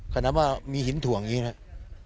ขนาดว่ามีหินถ่วงอย่างนี้นะครับ